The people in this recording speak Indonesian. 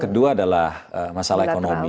kedua adalah masalah ekonomi